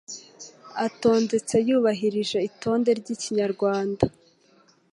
atondetse yubahirije itonde ry'ikinyarwanda.